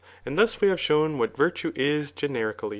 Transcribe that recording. And thus we have shown what vtr* tue is genericaUy.